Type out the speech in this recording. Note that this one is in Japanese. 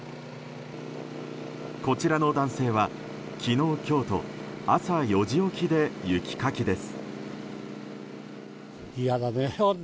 こちらの男性は昨日、今日と朝４時起きで雪かきです。